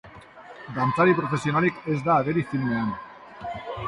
Dantzari profesionalik ez da ageri filmean.